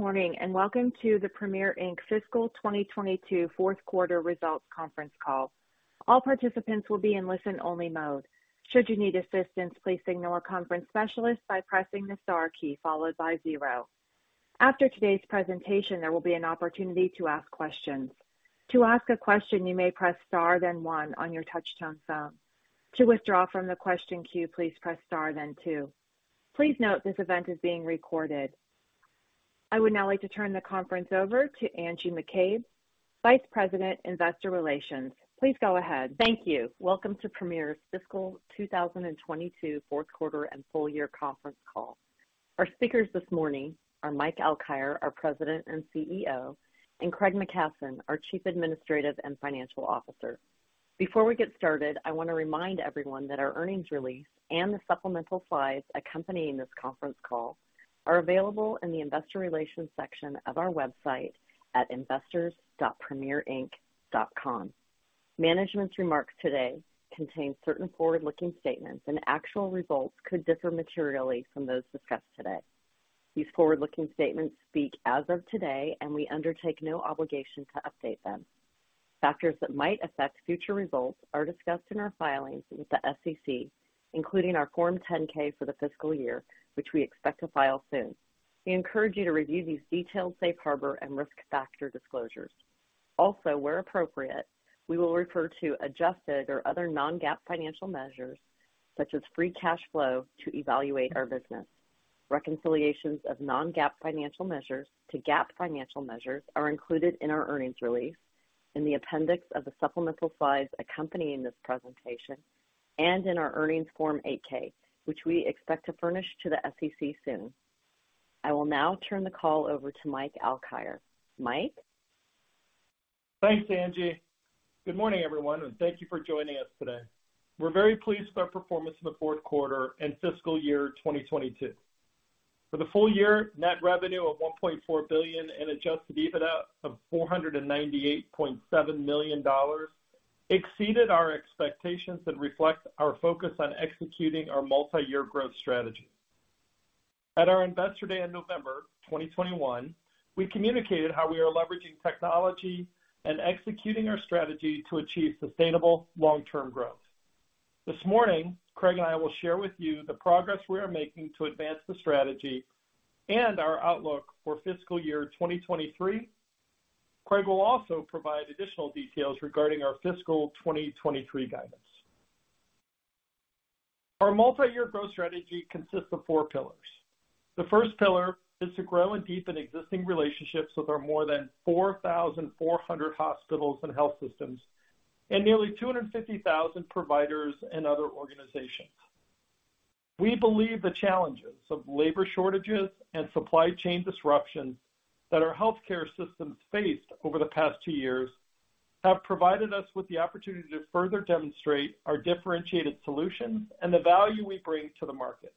Good morning, and welcome to the Premier, Inc. Fiscal 2022 fourth quarter results conference call. All participants will be in listen-only mode. Should you need assistance, please signal a conference specialist by pressing the star key followed by zero. After today's presentation, there will be an opportunity to ask questions. To ask a question, you may press star then one on your touchtone phone. To withdraw from the question queue, please press star then two. Please note this event is being recorded. I would now like to turn the conference over to Angie McCabe, Vice President, Investor Relations. Please go ahead. Thank you. Welcome to Premier's fiscal 2022 fourth quarter and full year conference call. Our speakers this morning are Mike Alkire, our President and CEO, and Craig McKasson, our Chief Administrative and Financial Officer. Before we get started, I wanna remind everyone that our earnings release and the supplemental slides accompanying this conference call are available in the investor relations section of our website at investors.premierinc.com. Management's remarks today contain certain forward-looking statements and actual results could differ materially from those discussed today. These forward-looking statements speak as of today, and we undertake no obligation to update them. Factors that might affect future results are discussed in our filings with the SEC, including our Form 10-K for the fiscal year, which we expect to file soon. We encourage you to review these detailed safe harbor and risk factor disclosures. Also, where appropriate, we will refer to adjusted or other non-GAAP financial measures, such as free cash flow, to evaluate our business. Reconciliations of non-GAAP financial measures to GAAP financial measures are included in our earnings release in the appendix of the supplemental slides accompanying this presentation and in our earnings Form 8-K, which we expect to furnish to the SEC soon. I will now turn the call over to Mike Alkire. Mike? Thanks, Angie. Good morning, everyone, and thank you for joining us today. We're very pleased with our performance in the fourth quarter and fiscal year 2022. For the full year, net revenue of $1.4 billion and adjusted EBITDA of $498.7 million exceeded our expectations and reflects our focus on executing our multi-year growth strategy. At our Investor Day in November 2021, we communicated how we are leveraging technology and executing our strategy to achieve sustainable long-term growth. This morning, Craig and I will share with you the progress we are making to advance the strategy and our outlook for fiscal year 2023. Craig will also provide additional details regarding our fiscal 2023 guidance. Our multi-year growth strategy consists of four pillars. The first pillar is to grow and deepen existing relationships with our more than 4,400 hospitals and health systems and nearly 250,000 providers and other organizations. We believe the challenges of labor shortages and supply chain disruptions that our healthcare systems faced over the past two years have provided us with the opportunity to further demonstrate our differentiated solutions and the value we bring to the market.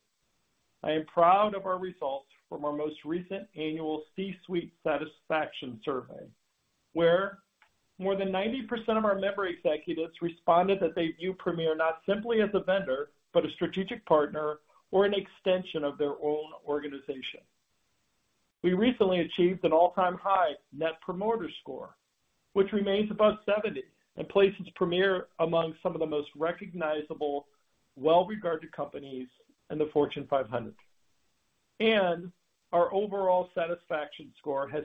I am proud of our results from our most recent annual C-suite satisfaction survey, where more than 90% of our member executives responded that they view Premier not simply as a vendor, but a strategic partner or an extension of their own organization. We recently achieved an all-time high Net Promoter Score, which remains above 70 and places Premier among some of the most recognizable, well-regarded companies in the Fortune 500. Our overall satisfaction score has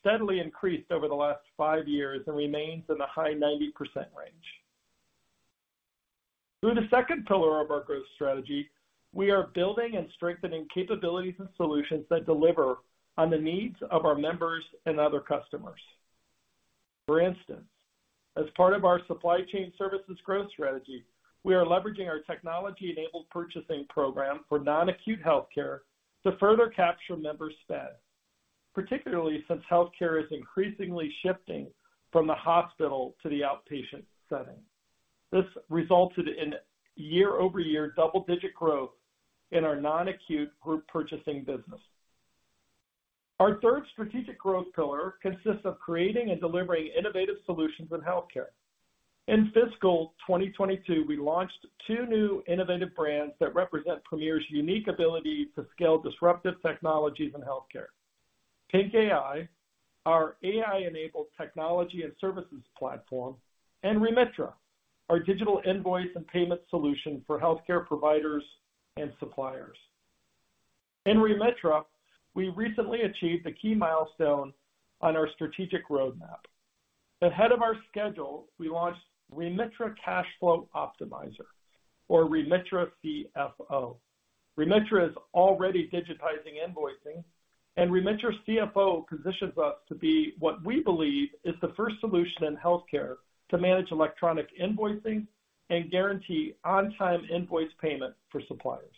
steadily increased over the last five years and remains in the high 90% range. Through the second pillar of our growth strategy, we are building and strengthening capabilities and solutions that deliver on the needs of our members and other customers. For instance, as part of our supply chain services growth strategy, we are leveraging our technology-enabled purchasing program for non-acute healthcare to further capture member spend, particularly since healthcare is increasingly shifting from the hospital to the outpatient setting. This resulted in year-over-year double-digit growth in our non-acute group purchasing business. Our third strategic growth pillar consists of creating and delivering innovative solutions in healthcare. In fiscal 2022, we launched two new innovative brands that represent Premier's unique ability to scale disruptive technologies in healthcare. PINC AI, our AI-enabled technology and services platform, and Remitra, our digital invoice and payment solution for healthcare providers and suppliers. In Remitra, we recently achieved a key milestone on our strategic roadmap. Ahead of our schedule, we launched Remitra Cash Flow Optimizer or Remitra CFO. Remitra is already digitizing invoicing, and Remitra CFO positions us to be what we believe is the first solution in healthcare to manage electronic invoicing and guarantee on-time invoice payment for suppliers.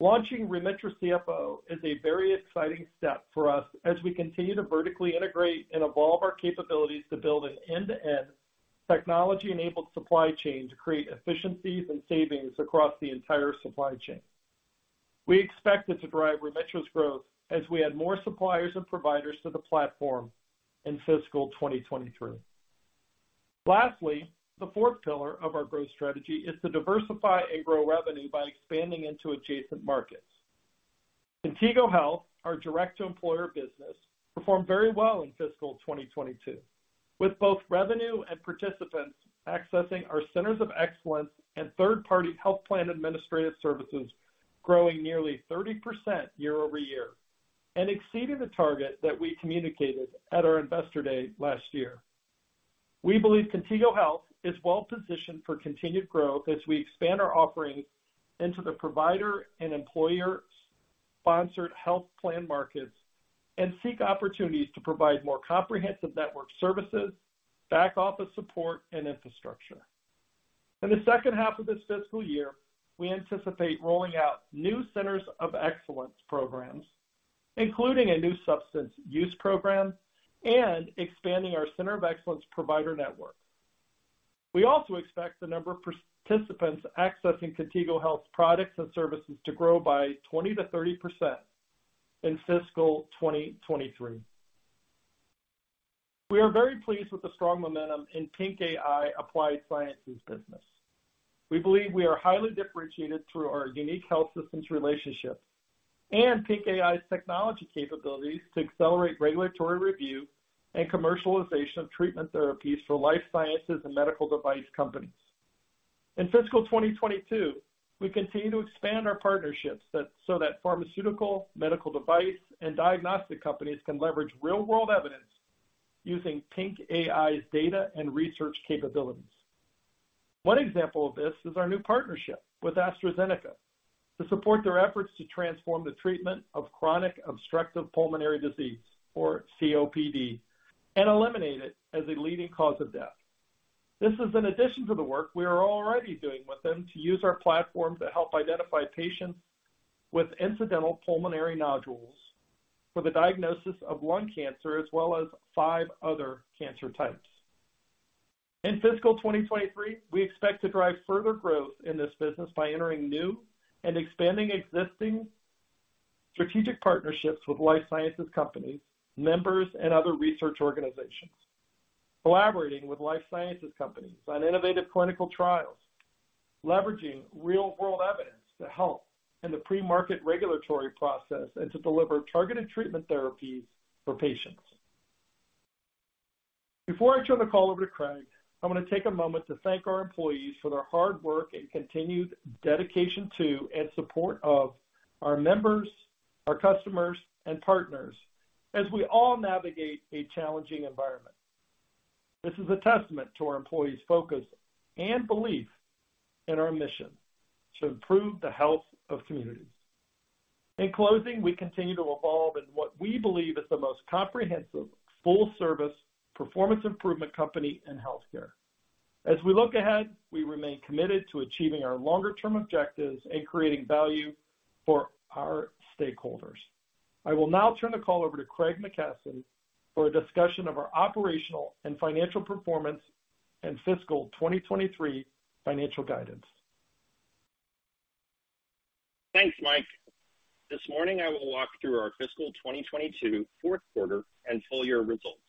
Launching Remitra CFO is a very exciting step for us as we continue to vertically integrate and evolve our capabilities to build an end-to-end technology-enabled supply chain to create efficiencies and savings across the entire supply chain. We expect it to drive Remitra's growth as we add more suppliers and providers to the platform in fiscal 2023. Lastly, the fourth pillar of our growth strategy is to diversify and grow revenue by expanding into adjacent markets. Contigo Health, our direct-to-employer business, performed very well in fiscal 2022, with both revenue and participants accessing our centers of excellence and third-party health plan administrative services growing nearly 30% year-over-year and exceeding the target that we communicated at our Investor Day last year. We believe Contigo Health is well-positioned for continued growth as we expand our offerings into the provider and employer-sponsored health plan markets and seek opportunities to provide more comprehensive network services, back-office support, and infrastructure. In the second half of this fiscal year, we anticipate rolling out new centers of excellence programs, including a new substance use program, and expanding our center of excellence provider network. We also expect the number of participants accessing Contigo Health products and services to grow by 20%-30% in fiscal 2023. We are very pleased with the strong momentum in PINC AI Applied Sciences business. We believe we are highly differentiated through our unique health systems relationships and PINC AI's technology capabilities to accelerate regulatory review and commercialization of treatment therapies for life sciences and medical device companies. In fiscal 2022, we continue to expand our partnerships so that pharmaceutical, medical device, and diagnostic companies can leverage real-world evidence using PINC AI's data and research capabilities. One example of this is our new partnership with AstraZeneca to support their efforts to transform the treatment of chronic obstructive pulmonary disease, or COPD, and eliminate it as a leading cause of death. This is in addition to the work we are already doing with them to use our platform to help identify patients with incidental pulmonary nodules for the diagnosis of lung cancer, as well as five other cancer types. In fiscal 2023, we expect to drive further growth in this business by entering new and expanding existing strategic partnerships with life sciences companies, members, and other research organizations, collaborating with life sciences companies on innovative clinical trials, leveraging real-world evidence to help in the pre-market regulatory process, and to deliver targeted treatment therapies for patients. Before I turn the call over to Craig, I wanna take a moment to thank our employees for their hard work and continued dedication to and support of our members, our customers, and partners as we all navigate a challenging environment. This is a testament to our employees' focus and belief in our mission to improve the health of communities. In closing, we continue to evolve in what we believe is the most comprehensive full-service performance improvement company in healthcare. As we look ahead, we remain committed to achieving our longer-term objectives and creating value for our stakeholders. I will now turn the call over to Craig McKasson for a discussion of our operational and financial performance and fiscal 2023 financial guidance. Thanks, Mike. This morning, I will walk through our fiscal 2022 fourth quarter and full-year results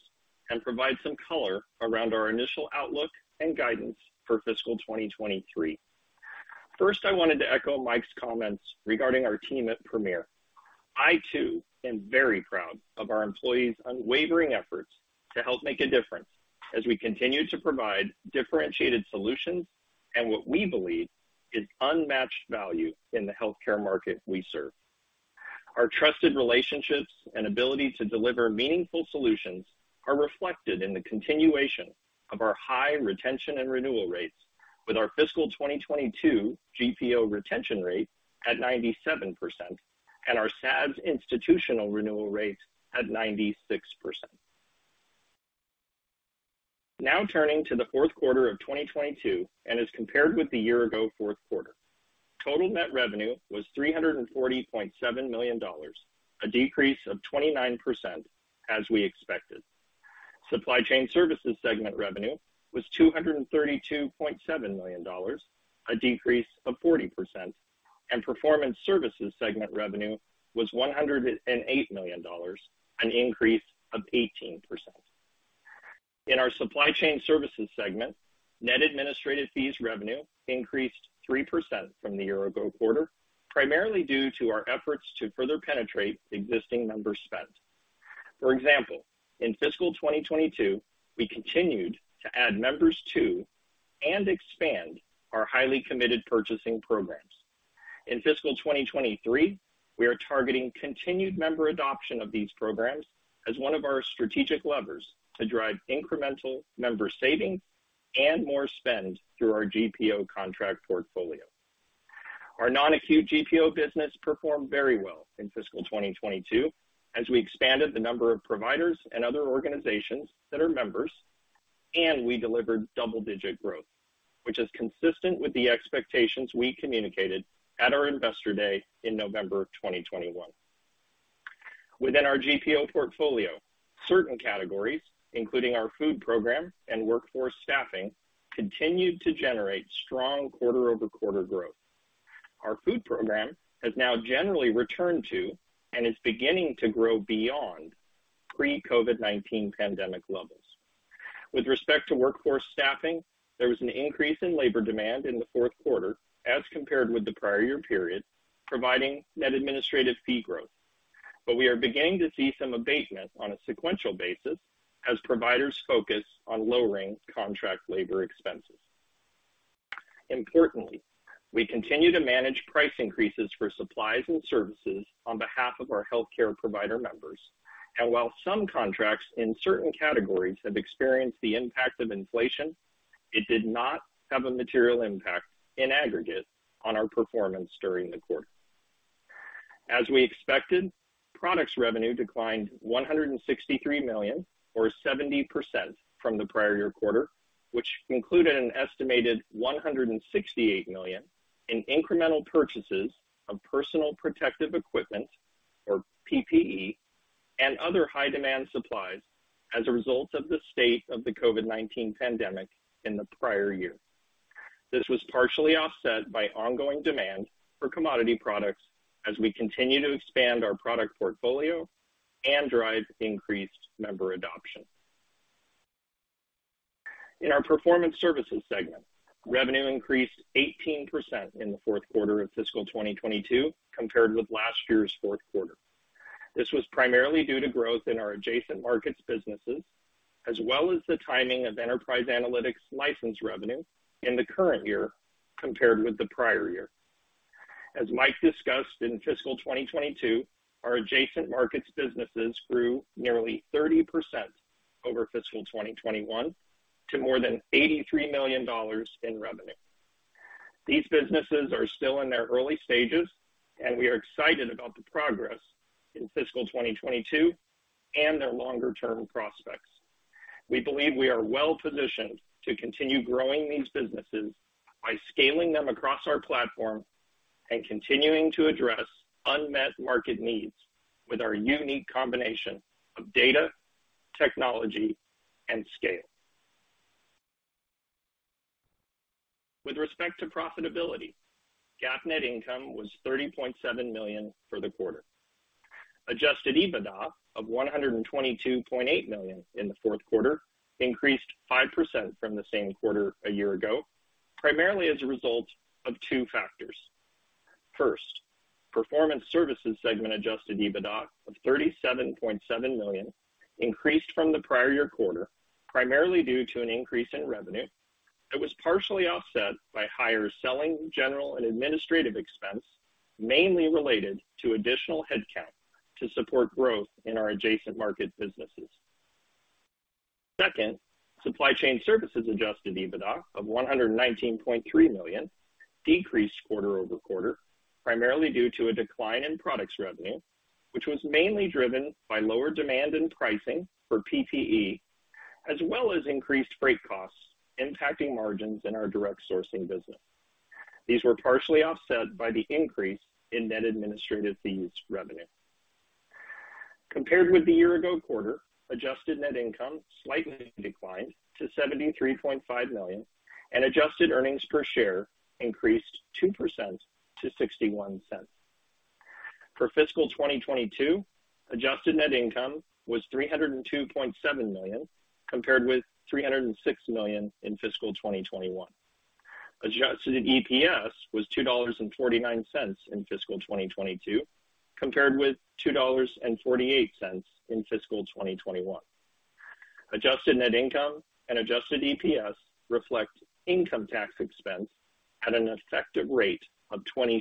and provide some color around our initial outlook and guidance for fiscal 2023. First, I wanted to echo Mike's comments regarding our team at Premier. I, too, am very proud of our employees' unwavering efforts to help make a difference as we continue to provide differentiated solutions and what we believe is unmatched value in the healthcare market we serve. Our trusted relationships and ability to deliver meaningful solutions are reflected in the continuation of our high retention and renewal rates with our fiscal 2022 GPO retention rate at 97% and our SaaS institutional renewal rates at 96%. Now, turning to the fourth quarter of 2022, and as compared with the year-ago fourth quarter, total net revenue was $340.7 million, a decrease of 29%, as we expected. Supply chain services segment revenue was $232.7 million, a decrease of 40%, and performance services segment revenue was $108 million, an increase of 18%. In our supply chain services segment, net administrative fees revenue increased 3% from the year-ago quarter, primarily due to our efforts to further penetrate existing member spend. For example, in fiscal 2022, we continued to add members to and expand our highly committed purchasing programs. In fiscal 2023, we are targeting continued member adoption of these programs as one of our strategic levers to drive incremental member savings and more spend through our GPO contract portfolio. Our non-acute GPO business performed very well in fiscal 2022 as we expanded the number of providers and other organizations that are members, and we delivered double-digit growth, which is consistent with the expectations we communicated at our Investor Day in November 2021. Within our GPO portfolio, certain categories, including our food program and workforce staffing, continued to generate strong quarter-over-quarter growth. Our food program has now generally returned to and is beginning to grow beyond pre-COVID-19 pandemic levels. With respect to workforce staffing, there was an increase in labor demand in the fourth quarter as compared with the prior year period, providing net administrative fee growth. We are beginning to see some abatement on a sequential basis as providers focus on lowering contract labor expenses. Importantly, we continue to manage price increases for supplies and services on behalf of our healthcare provider members. While some contracts in certain categories have experienced the impact of inflation, it did not have a material impact in aggregate on our performance during the quarter. As we expected, products revenue declined $163 million or 70% from the prior year quarter, which included an estimated $168 million in incremental purchases of personal protective equipment, or PPE, and other high demand supplies as a result of the state of the COVID-19 pandemic in the prior year. This was partially offset by ongoing demand for commodity products as we continue to expand our product portfolio and drive increased member adoption. In our performance services segment, revenue increased 18% in the fourth quarter of fiscal 2022 compared with last year's fourth quarter. This was primarily due to growth in our adjacent markets businesses, as well as the timing of enterprise analytics license revenue in the current year compared with the prior year. As Mike discussed, in fiscal 2022, our adjacent markets businesses grew nearly 30% over fiscal 2021 to more than $83 million in revenue. These businesses are still in their early stages, and we are excited about the progress in fiscal 2022 and their longer-term prospects. We believe we are well positioned to continue growing these businesses by scaling them across our platform and continuing to address unmet market needs with our unique combination of data, technology, and scale. With respect to profitability, GAAP net income was $30.7 million for the quarter. Adjusted EBITDA of $122.8 million in the fourth quarter increased 5% from the same quarter a year ago, primarily as a result of two factors. First, performance services segment adjusted EBITDA of $37.7 million increased from the prior year quarter, primarily due to an increase in revenue that was partially offset by higher selling, general, and administrative expense, mainly related to additional headcount to support growth in our adjacent market businesses. Second, supply chain services adjusted EBITDA of $119.3 million decreased quarter-over-quarter, primarily due to a decline in products revenue, which was mainly driven by lower demand and pricing for PPE, as well as increased freight costs impacting margins in our direct sourcing business. These were partially offset by the increase in net administrative fees revenue. Compared with the year ago quarter, adjusted net income slightly declined to $73.5 million, and adjusted earnings per share increased 2% to $0.61. For fiscal 2022, adjusted net income was $302.7 million, compared with $306 million in fiscal 2021. Adjusted EPS was $2.49 in fiscal 2022, compared with $2.48 in fiscal 2021. Adjusted net income and adjusted EPS reflect income tax expense at an effective rate of 26%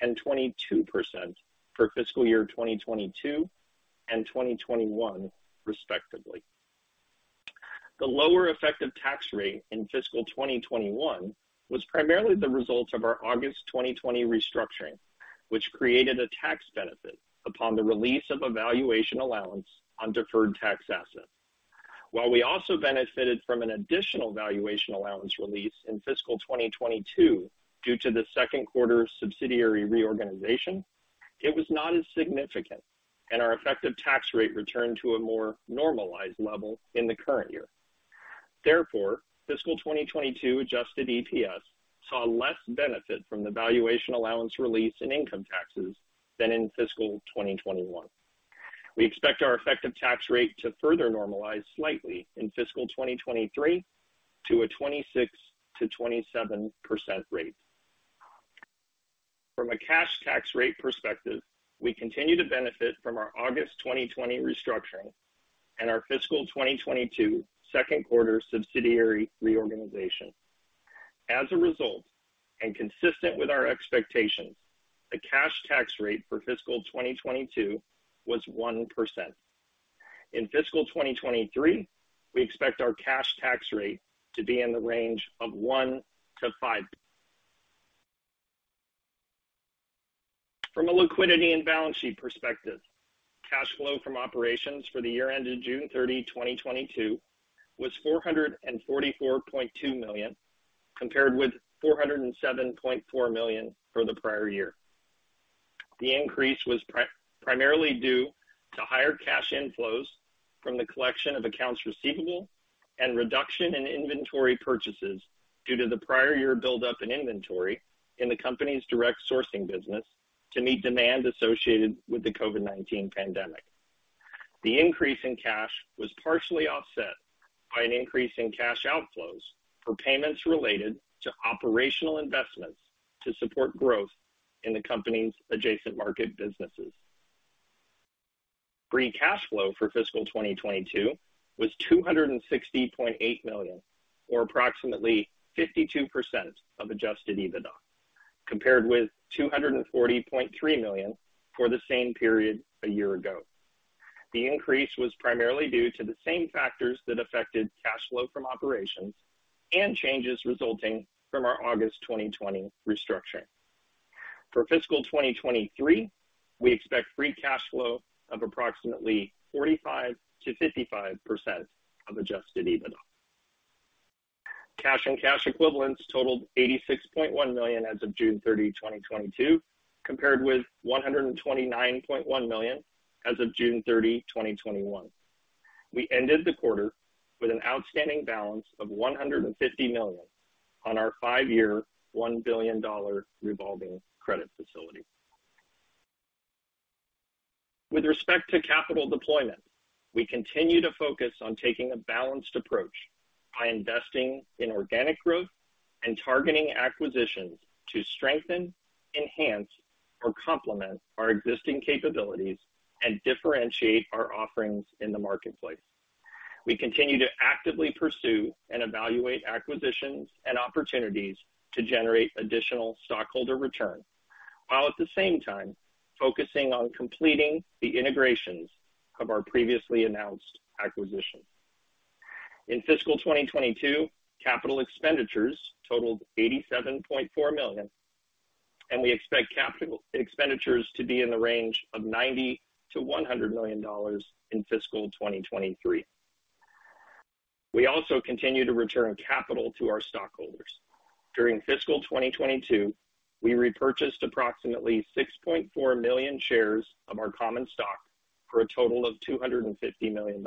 and 22% for fiscal year 2022 and 2021, respectively. The lower effective tax rate in fiscal 2021 was primarily the result of our August 2020 restructuring, which created a tax benefit upon the release of a valuation allowance on deferred tax assets. While we also benefited from an additional valuation allowance release in fiscal 2022 due to the second quarter subsidiary reorganization, it was not as significant, and our effective tax rate returned to a more normalized level in the current year. Therefore, fiscal 2022 adjusted EPS saw less benefit from the valuation allowance release in income taxes than in fiscal 2021. We expect our effective tax rate to further normalize slightly in fiscal 2023 to a 26%-27% rate. From a cash tax rate perspective, we continue to benefit from our August 2020 restructuring and our fiscal 2022 second quarter subsidiary reorganization. As a result, and consistent with our expectations, the cash tax rate for fiscal 2022 was 1%. In fiscal 2023, we expect our cash tax rate to be in the range of 1%-5%. From a liquidity and balance sheet perspective, cash flow from operations for the year ended June 30, 2022 was $444.2 million, compared with $407.4 million for the prior year. The increase was primarily due to higher cash inflows from the collection of accounts receivable and reduction in inventory purchases due to the prior year buildup in inventory in the company's direct sourcing business to meet demand associated with the COVID-19 pandemic. The increase in cash was partially offset by an increase in cash outflows for payments related to operational investments to support growth in the company's adjacent market businesses. Free cash flow for fiscal 2022 was $260.8 million, or approximately 52% of adjusted EBITDA, compared with $240.3 million for the same period a year ago. The increase was primarily due to the same factors that affected cash flow from operations and changes resulting from our August 2020 restructuring. For fiscal 2023, we expect free cash flow of approximately 45%-55% of adjusted EBITDA. Cash and cash equivalents totaled $86.1 million as of June 30, 2022, compared with $129.1 million as of June 30, 2021. We ended the quarter with an outstanding balance of $150 million on our five-year, $1 billion revolving credit facility. With respect to capital deployment, we continue to focus on taking a balanced approach by investing in organic growth and targeting acquisitions to strengthen, enhance, or complement our existing capabilities and differentiate our offerings in the marketplace. We continue to actively pursue and evaluate acquisitions and opportunities to generate additional stockholder return, while at the same time focusing on completing the integrations of our previously announced acquisitions. In fiscal 2022, capital expenditures totaled $87.4 million, and we expect capital expenditures to be in the range of $90 million-$100 million in fiscal 2023. We also continue to return capital to our stockholders. During fiscal 2022, we repurchased approximately 6.4 million shares of our common stock for a total of $250 million.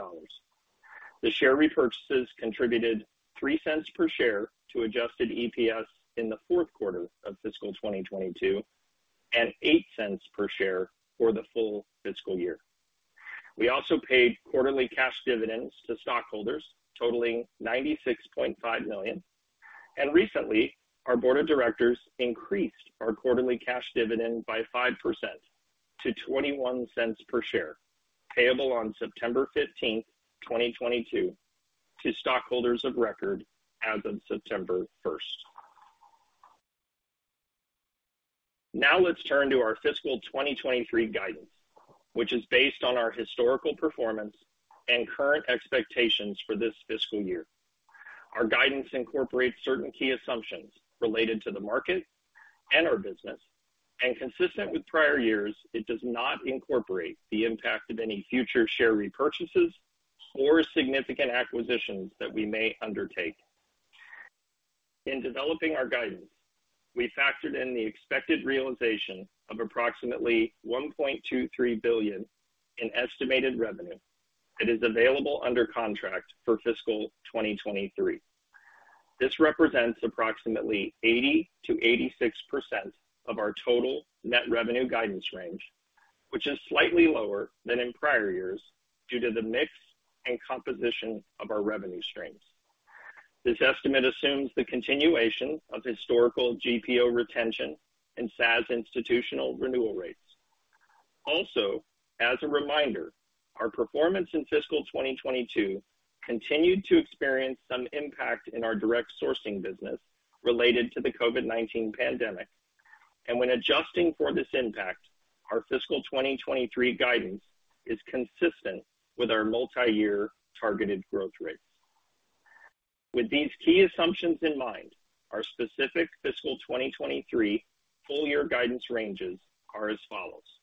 The share repurchases contributed 3 cents per share to adjusted EPS in the fourth quarter of fiscal 2022 and $0.08 per share for the full fiscal year. We also paid quarterly cash dividends to stockholders totaling $96.5 million. Recently, our board of directors increased our quarterly cash dividend by 5% to $0.21 per share, payable on September 15, 2022 to stockholders of record as of September 1. Now let's turn to our fiscal 2023 guidance, which is based on our historical performance and current expectations for this fiscal year. Our guidance incorporates certain key assumptions related to the market and our business. Consistent with prior years, it does not incorporate the impact of any future share repurchases or significant acquisitions that we may undertake. In developing our guidance, we factored in the expected realization of approximately $1.23 billion in estimated revenue that is available under contract for fiscal 2023. This represents approximately 80%-86% of our total net revenue guidance range, which is slightly lower than in prior years due to the mix and composition of our revenue streams. This estimate assumes the continuation of historical GPO retention and SaaS institutional renewal rates. Also, as a reminder, our performance in fiscal 2022 continued to experience some impact in our direct sourcing business related to the COVID-19 pandemic. When adjusting for this impact, our fiscal 2023 guidance is consistent with our multiyear targeted growth rates. With these key assumptions in mind, our specific fiscal 2023 full year guidance ranges are as follows.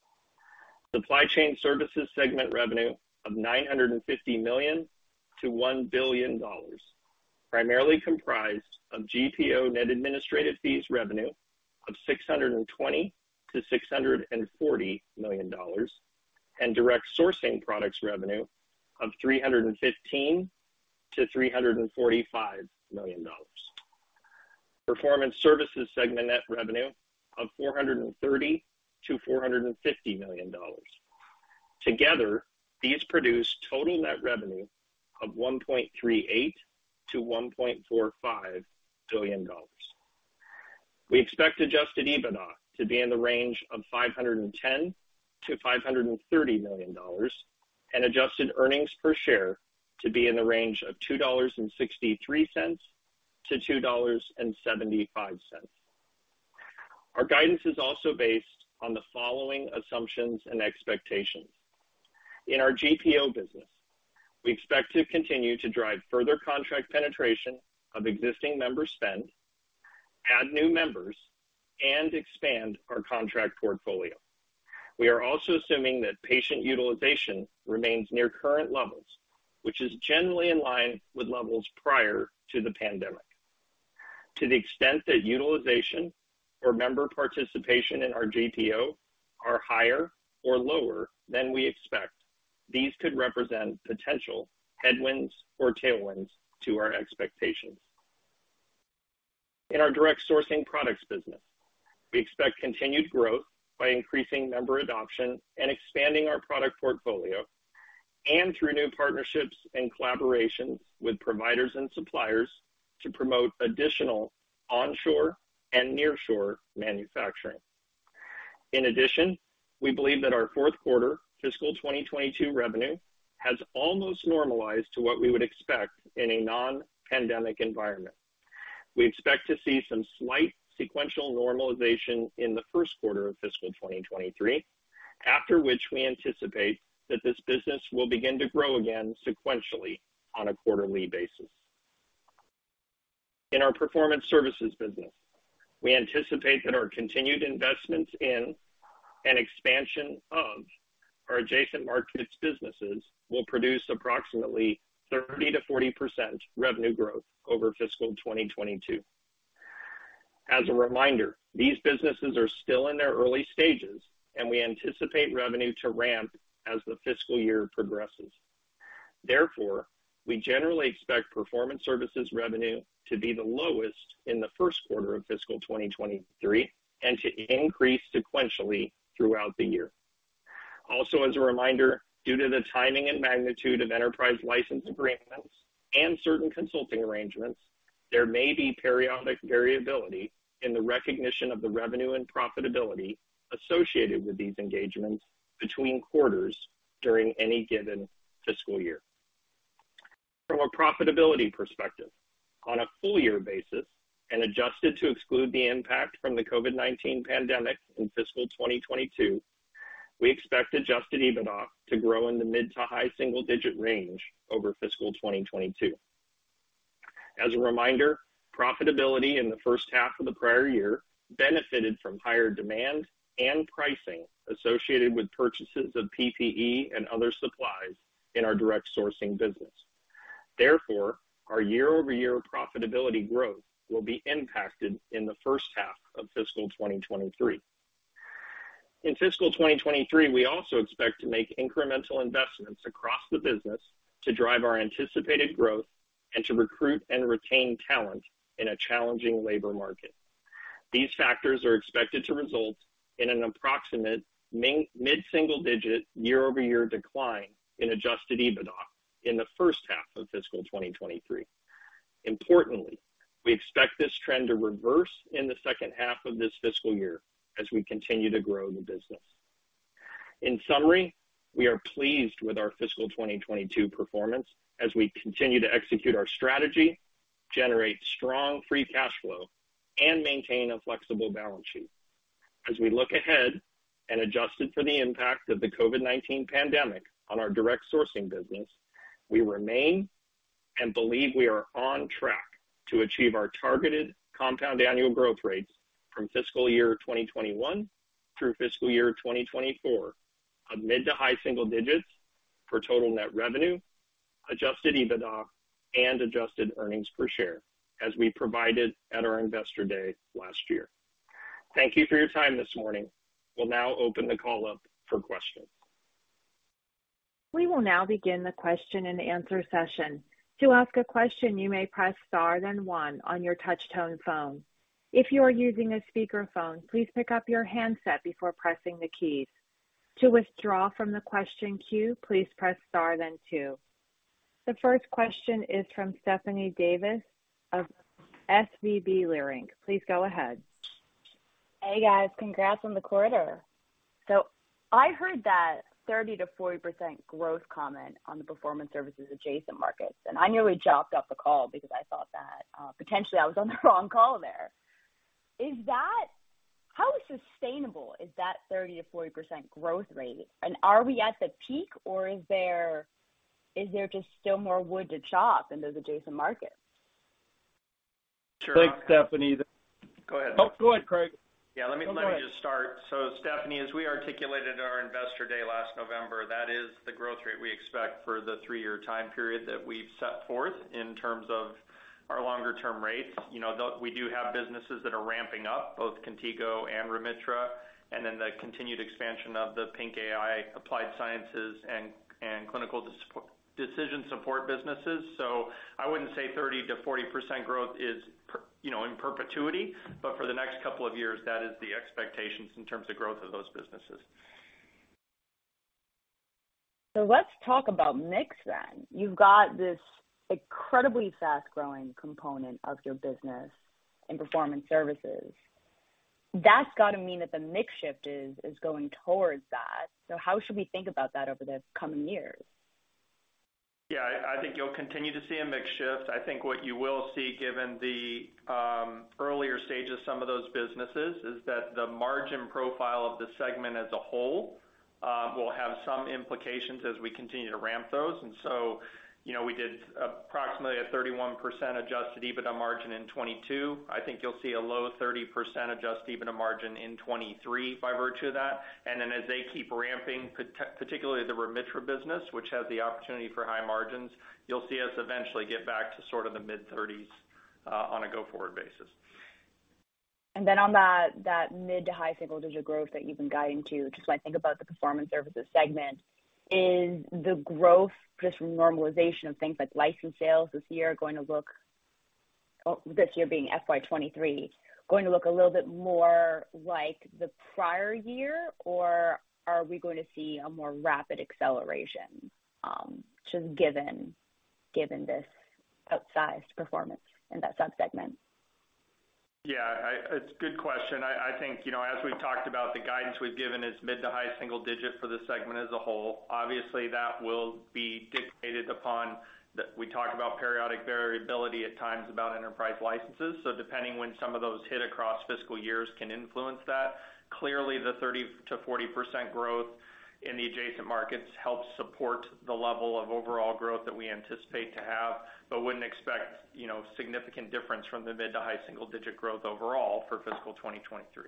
Supply chain services segment revenue of $950 million-$1 billion, primarily comprised of GPO net administrative fees revenue of $620 million-$640 million and direct sourcing products revenue of $315 million-$345 million. Performance services segment net revenue of $430 million-$450 million. Together, these produce total net revenue of $1.38 billion-$1.45 billion. We expect adjusted EBITDA to be in the range of $510 million-$530 million and adjusted earnings per share to be in the range of $2.63-$2.75. Our guidance is also based on the following assumptions and expectations. In our GPO business, we expect to continue to drive further contract penetration of existing member spend, add new members, and expand our contract portfolio. We are also assuming that patient utilization remains near current levels, which is generally in line with levels prior to the pandemic. To the extent that utilization or member participation in our GPO are higher or lower than we expect, these could represent potential headwinds or tailwinds to our expectations. In our direct sourcing products business, we expect continued growth by increasing member adoption and expanding our product portfolio and through new partnerships and collaborations with providers and suppliers to promote additional onshore and nearshore manufacturing. In addition, we believe that our fourth quarter fiscal 2022 revenue has almost normalized to what we would expect in a non-pandemic environment. We expect to see some slight sequential normalization in the first quarter of fiscal 2023, after which we anticipate that this business will begin to grow again sequentially on a quarterly basis. In our performance services business, we anticipate that our continued investments in and expansion of our adjacent markets businesses will produce approximately 30%-40% revenue growth over fiscal 2022. As a reminder, these businesses are still in their early stages, and we anticipate revenue to ramp as the fiscal year progresses. Therefore, we generally expect performance services revenue to be the lowest in the first quarter of fiscal 2023 and to increase sequentially throughout the year. As a reminder, due to the timing and magnitude of enterprise license agreements and certain consulting arrangements, there may be periodic variability in the recognition of the revenue and profitability associated with these engagements between quarters during any given fiscal year. From a profitability perspective, on a full year basis and adjusted to exclude the impact from the COVID-19 pandemic in fiscal 2022, we expect adjusted EBITDA to grow in the mid- to high single-digit% range over fiscal 2022. As a reminder, profitability in the first half of the prior year benefited from higher demand and pricing associated with purchases of PPE and other supplies in our direct sourcing business. Therefore, our year-over-year profitability growth will be impacted in the first half of fiscal 2023. In fiscal 2023, we also expect to make incremental investments across the business to drive our anticipated growth and to recruit and retain talent in a challenging labor market. These factors are expected to result in an approximate mid-single digit year-over-year decline in adjusted EBITDA in the first half of fiscal 2023. Importantly, we expect this trend to reverse in the second half of this fiscal year as we continue to grow the business. In summary, we are pleased with our fiscal 2022 performance as we continue to execute our strategy, generate strong free cash flow, and maintain a flexible balance sheet. As we look ahead and adjusted for the impact of the COVID-19 pandemic on our direct sourcing business, we remain and believe we are on track to achieve our targeted compound annual growth rates from fiscal year 2021 through fiscal year 2024 of mid- to high-single digits for total net revenue, adjusted EBITDA, and adjusted earnings per share, as we provided at our Investor Day last year. Thank you for your time this morning. We'll now open the call up for questions. We will now begin the question-and-answer session. To ask a question, you may press star then one on your touch-tone phone. If you are using a speakerphone, please pick up your handset before pressing the keys. To withdraw from the question queue, please press star then two. The first question is from Stephanie Davis of SVB Leerink. Please go ahead. Hey, guys. Congrats on the quarter. I heard that 30%-40% growth comment on the Performance Services adjacent markets, and I nearly jumped off the call because I thought that potentially I was on the wrong call there. How sustainable is that 30%-40% growth rate? Are we at the peak, or is there just still more wood to chop in those adjacent markets? Sure. Thanks, Stephanie. Go ahead. Oh, go ahead, Craig. Yeah, let me just start. Stephanie, as we articulated at our Investor Day last November, that is the growth rate we expect for the three-year time period that we've set forth in terms of our longer-term rates. You know, we do have businesses that are ramping up, both Contigo and Remitra, and then the continued expansion of the PINC AI Applied Sciences and Clinical Decision Support businesses. I wouldn't say 30%-40% growth is you know, in perpetuity. For the next couple of years, that is the expectations in terms of growth of those businesses. Let's talk about mix then. You've got this incredibly fast-growing component of your business in performance services. That's got to mean that the mix shift is going towards that. How should we think about that over the coming years? Yeah. I think you'll continue to see a mix shift. I think what you will see, given the earlier stage of some of those businesses, is that the margin profile of the segment as a whole will have some implications as we continue to ramp those. You know, we did approximately a 31% adjusted EBITDA margin in 2022. I think you'll see a low 30% adjusted EBITDA margin in 2023 by virtue of that. Then as they keep ramping, particularly the Remitra business, which has the opportunity for high margins, you'll see us eventually get back to sort of the mid-30s on a go-forward basis. On that mid- to high single-digit% growth that you've been guiding to, just when I think about the performance services segment, is the growth just from normalization of things like license sales this year, this year being FY 2023, going to look a little bit more like the prior year? Or are we going to see a more rapid acceleration, just given this outsized performance in that subsegment? Yeah, it's a good question. I think, you know, as we've talked about, the guidance we've given is mid- to high-single-digit% for the segment as a whole. Obviously, that will be dictated. We talk about periodic variability at times about enterprise licenses. So depending when some of those hit across fiscal years can influence that. Clearly, the 30%-40% growth in the adjacent markets helps support the level of overall growth that we anticipate to have, but wouldn't expect, you know, significant difference from the mid- to high-single-digit% growth overall for fiscal 2023.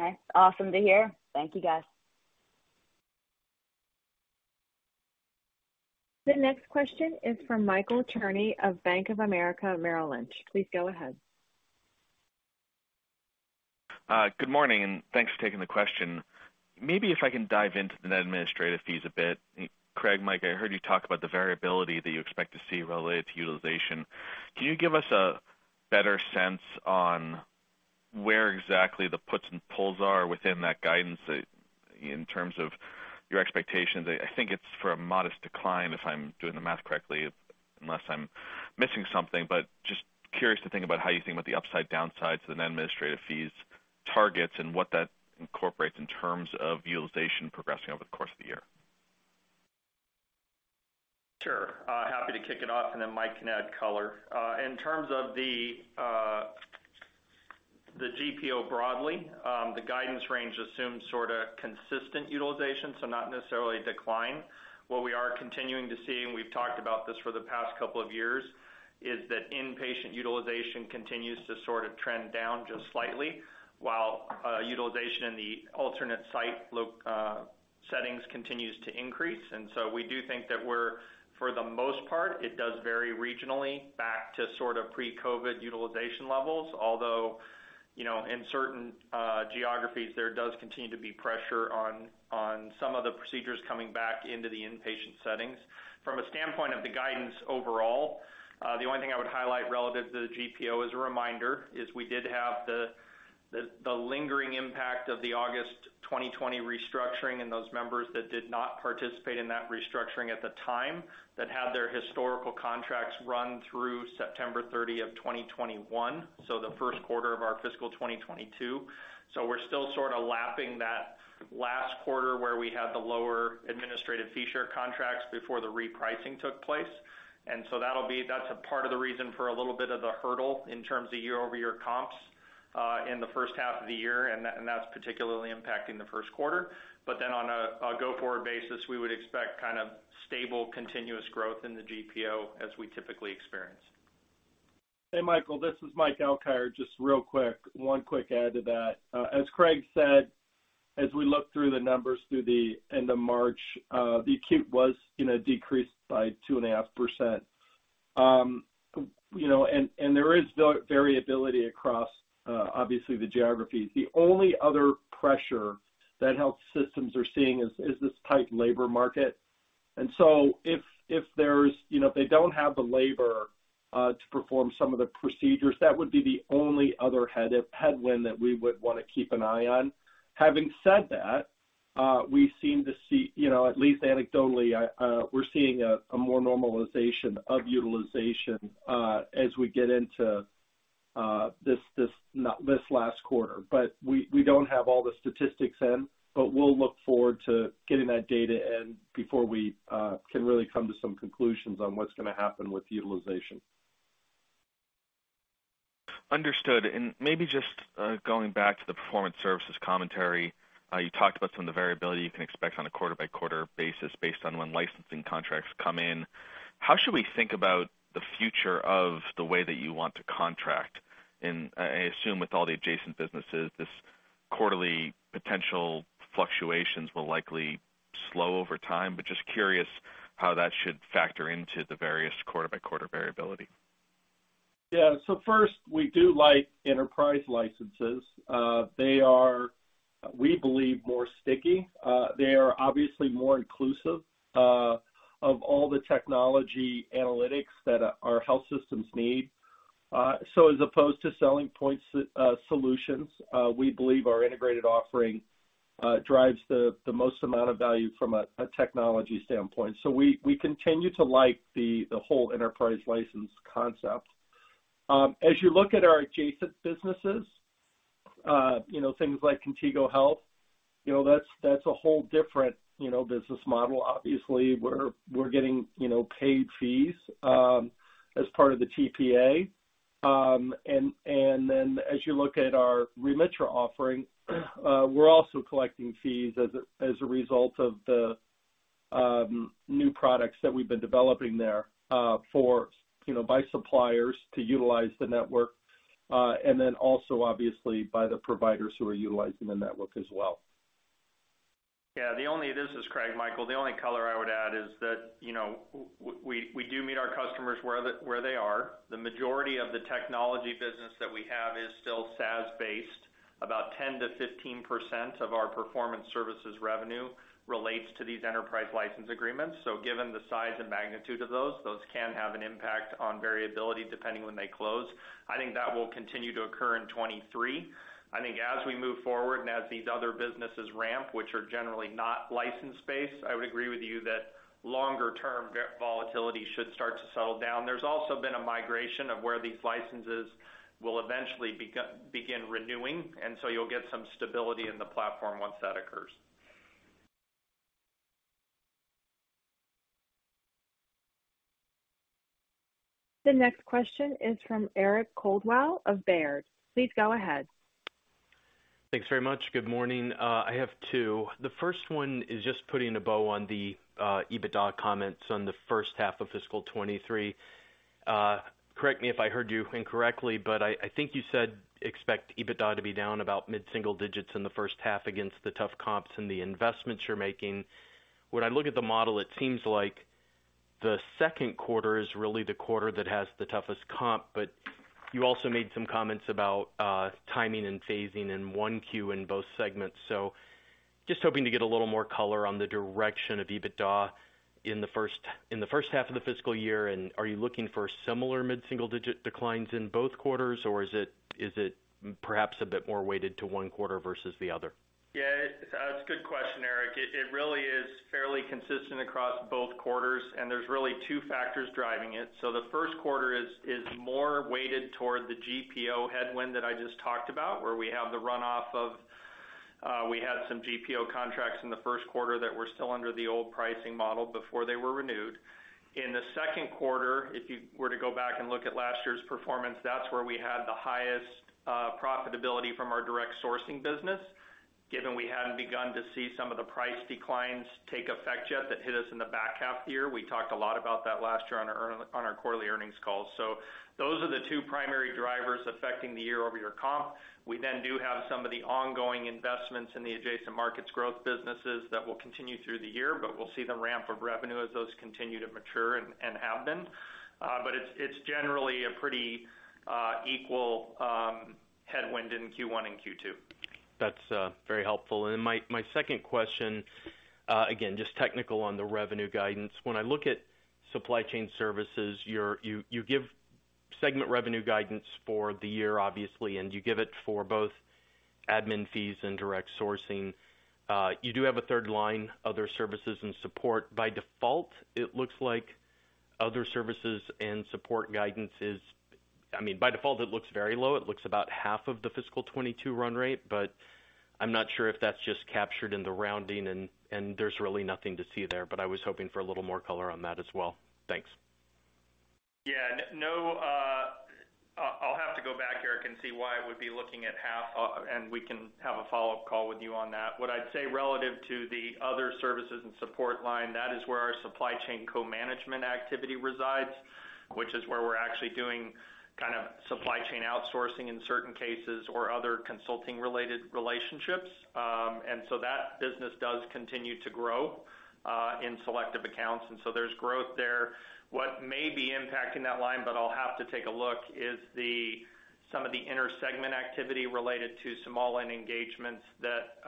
Okay. Awesome to hear. Thank you, guys. The next question is from Michael Cherny of Bank of America Merrill Lynch. Please go ahead. Good morning, and thanks for taking the question. Maybe if I can dive into the net administrative fees a bit. Craig, Mike, I heard you talk about the variability that you expect to see related to utilization. Can you give us a better sense on where exactly the puts and pulls are within that guidance in terms of your expectations? I think it's for a modest decline, if I'm doing the math correctly, unless I'm missing something. Just curious to think about how you think about the upside downsides to the net administrative fees targets and what that incorporates in terms of utilization progressing over the course of the year. Sure. Happy to kick it off, and then Mike can add color. In terms of the GPO broadly, the guidance range assumes sorta consistent utilization, so not necessarily a decline. What we are continuing to see, and we've talked about this for the past couple of years, is that inpatient utilization continues to sort of trend down just slightly, while utilization in the alternate site settings continues to increase. We do think that we're, for the most part, it does vary regionally back to sort of pre-COVID utilization levels. Although, you know, in certain geographies, there does continue to be pressure on some of the procedures coming back into the inpatient settings. From a standpoint of the guidance overall, the only thing I would highlight relative to the GPO as a reminder is we did have the lingering impact of the August 2020 restructuring and those members that did not participate in that restructuring at the time that had their historical contracts run through September 30 of 2021, so the first quarter of our fiscal 2022. We're still sorta lapping that last quarter, where we had the lower administrative fee share contracts before the repricing took place. That'll be a part of the reason for a little bit of the hurdle in terms of year-over-year comps in the first half of the year, and that's particularly impacting the first quarter. On a go-forward basis, we would expect kind of stable, continuous growth in the GPO as we typically experience. Hey, Michael, this is Mike Alkire. Just real quick, one quick add to that. As Craig said, as we look through the numbers through the end of March, the acute was, you know, decreased by 2.5%. You know, and there is variability across, obviously the geographies. The only other pressure that health systems are seeing is this tight labor market. So if there's, you know, they don't have the labor to perform some of the procedures, that would be the only other headwind that we would wanna keep an eye on. Having said that, we seem to see, you know, at least anecdotally, we're seeing a more normalization of utilization as we get into this last quarter. We don't have all the statistics in, but we'll look forward to getting that data in before we can really come to some conclusions on what's gonna happen with utilization. Understood. Maybe just going back to the performance services commentary, you talked about some of the variability you can expect on a quarter-by-quarter basis based on when licensing contracts come in. How should we think about the future of the way that you want to contract? I assume with all the adjacent businesses, this quarterly potential fluctuations will likely slow over time, but just curious how that should factor into the various quarter-by-quarter variability. Yeah. First, we do like enterprise licenses. They are, we believe, more sticky. They are obviously more inclusive of all the technology analytics that our health systems need. As opposed to selling point solutions, we believe our integrated offering drives the most amount of value from a technology standpoint. We continue to like the whole enterprise license concept. As you look at our adjacent businesses, you know, things like Contigo Health, you know, that's a whole different business model. Obviously, we're getting paid fees as part of the TPA. As you look at our Remitra offering, we're also collecting fees as a result of the new products that we've been developing there, for, you know, by suppliers to utilize the network, and then also obviously by the providers who are utilizing the network as well. This is Craig, Michael. The only color I would add is that, you know, we do meet our customers where they are. The majority of the technology business that we have is still SaaS-based. About 10%-15% of our performance services revenue relates to these enterprise license agreements. Given the size and magnitude of those can have an impact on variability depending when they close. I think that will continue to occur in 2023. I think as we move forward and as these other businesses ramp, which are generally not license-based, I would agree with you that longer term volatility should start to settle down. There's also been a migration of where these licenses will eventually begin renewing, and so you'll get some stability in the platform once that occurs. The next question is from Eric Coldwell of Baird. Please go ahead. Thanks very much. Good morning. I have two. The first one is just putting a bow on the EBITDA comments on the first half of fiscal 2023. Correct me if I heard you incorrectly, but I think you said expect EBITDA to be down about mid-single digits% in the first half against the tough comps and the investments you're making. When I look at the model, it seems like the second quarter is really the quarter that has the toughest comp, but you also made some comments about timing and phasing in 1Q in both segments. Just hoping to get a little more color on the direction of EBITDA in the first half of the fiscal year. Are you looking for similar mid-single digit declines in both quarters, or is it perhaps a bit more weighted to one quarter versus the other? Yeah, it's a good question, Eric. It really is fairly consistent across both quarters, and there's really two factors driving it. The first quarter is more weighted toward the GPO headwind that I just talked about, where we have the runoff of we had some GPO contracts in the first quarter that were still under the old pricing model before they were renewed. In the second quarter, if you were to go back and look at last year's performance, that's where we had the highest profitability from our direct sourcing business, given we hadn't begun to see some of the price declines take effect yet that hit us in the back half year. We talked a lot about that last year on our quarterly earnings call. Those are the two primary drivers affecting the year-over-year comp. We do have some of the ongoing investments in the adjacent markets growth businesses that will continue through the year, but we'll see them ramp up revenue as those continue to mature and have been. It's generally a pretty equal headwind in Q1 and Q2. That's very helpful. Then my second question, again, just technical on the revenue guidance. When I look at supply chain services, you give segment revenue guidance for the year, obviously, and you give it for both admin fees and direct sourcing. You do have a third line, other services and support. By default, it looks like other services and support guidance is. I mean, by default, it looks very low. It looks about half of the fiscal 2022 run rate, but I'm not sure if that's just captured in the rounding and there's really nothing to see there. I was hoping for a little more color on that as well. Thanks. Yeah. No, I'll have to go back, Eric, and see why it would be looking at half, and we can have a follow-up call with you on that. What I'd say relative to the other services and support line, that is where our supply chain co-management activity resides, which is where we're actually doing kind of supply chain outsourcing in certain cases or other consulting related relationships. And so that business does continue to grow in selective accounts, and so there's growth there. What may be impacting that line, but I'll have to take a look, is some of the inter-segment activity related to small end engagements that,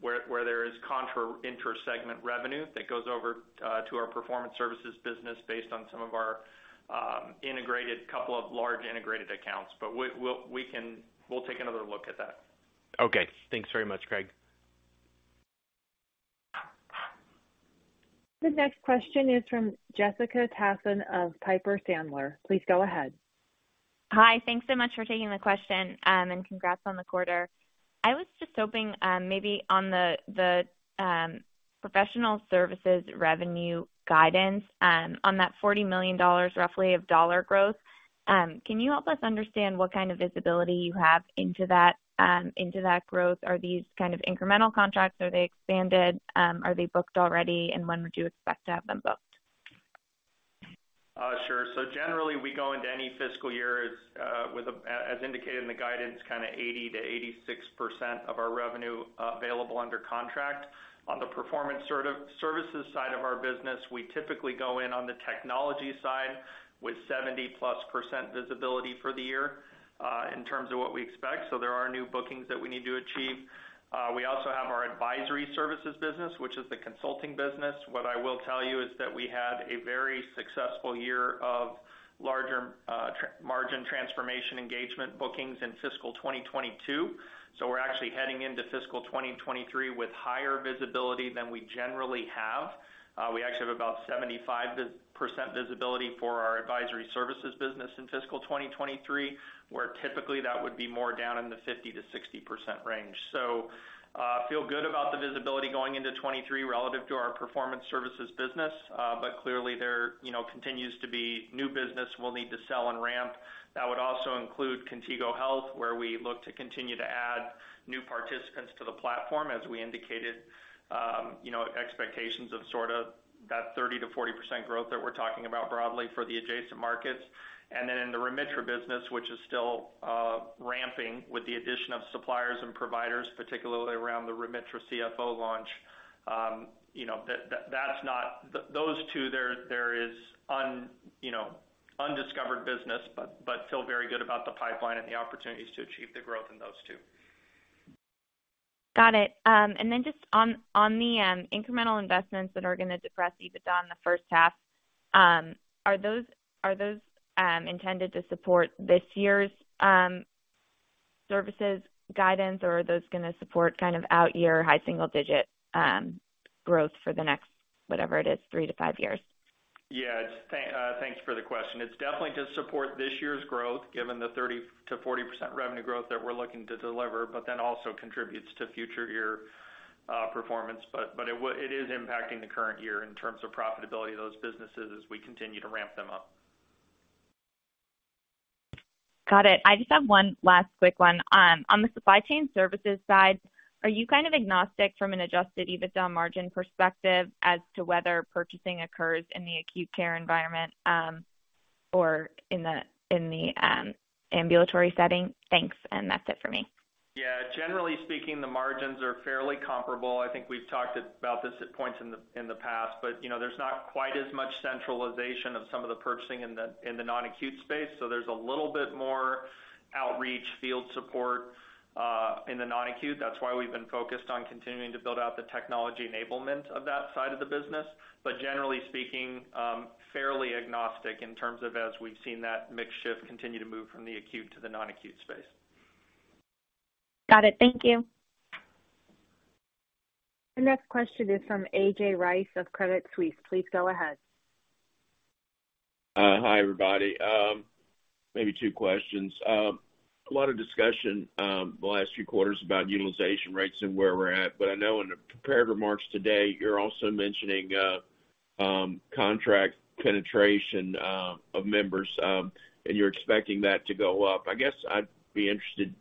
where there is contra inter-segment revenue that goes over to our performance services business based on some of our integrated couple of large integrated accounts. We'll take another look at that. Okay. Thanks very much, Craig. The next question is from Jessica Tassan of Piper Sandler. Please go ahead. Hi. Thanks so much for taking the question, and congrats on the quarter. I was just hoping, maybe on the professional services revenue guidance, on that $40 million roughly of dollar growth, can you help us understand what kind of visibility you have into that growth? Are these kind of incremental contracts? Are they expanded? Are they booked already? When would you expect to have them booked? Sure. Generally, we go into any fiscal year as, with, as indicated in the guidance, kinda 80%-86% of our revenue available under contract. On the performance services side of our business, we typically go in on the technology side with 70+% visibility for the year, in terms of what we expect. There are new bookings that we need to achieve. We also have our advisory services business, which is the consulting business. What I will tell you is that we had a very successful year of larger margin transformation engagement bookings in fiscal 2022. We're actually heading into fiscal 2023 with higher visibility than we generally have. We actually have about 75% visibility for our advisory services business in fiscal 2023, where typically that would be more down in the 50%-60% range. Feel good about the visibility going into 2023 relative to our performance services business. Clearly there, you know, continues to be new business we'll need to sell and ramp. That would also include Contigo Health, where we look to continue to add new participants to the platform as we indicated, you know, expectations of sort of that 30%-40% growth that we're talking about broadly for the adjacent markets. In the Remitra business, which is still ramping with the addition of suppliers and providers, particularly around the Remitra CFO launch, you know, those two, there is undiscovered business, but feel very good about the pipeline and the opportunities to achieve the growth in those two. Got it. Just on the incremental investments that are gonna depress EBITDA in the first half, are those intended to support this year's services guidance or are those gonna support kind of out year high single digit growth for the next, whatever it is, 3-5 years? Yeah. Thanks for the question. It's definitely to support this year's growth, given the 30%-40% revenue growth that we're looking to deliver, but then also contributes to future year performance. It is impacting the current year in terms of profitability of those businesses as we continue to ramp them up. Got it. I just have one last quick one. On the supply chain services side, are you kind of agnostic from an adjusted EBITDA margin perspective as to whether purchasing occurs in the acute care environment, or in the ambulatory setting? Thanks, and that's it for me. Yeah. Generally speaking, the margins are fairly comparable. I think we've talked about this at points in the past, but you know, there's not quite as much centralization of some of the purchasing in the non-acute space, so there's a little bit more outreach field support in the non-acute. That's why we've been focused on continuing to build out the technology enablement of that side of the business. But generally speaking, fairly agnostic in terms of as we've seen that mix shift continue to move from the acute to the non-acute space. Got it. Thank you. The next question is from A.J. Rice of Credit Suisse. Please go ahead. Hi, everybody. Maybe two questions. A lot of discussion the last few quarters about utilization rates and where we're at, but I know in the prepared remarks today, you're also mentioning contract penetration of members, and you're expecting that to go up. I guess I'd be interested.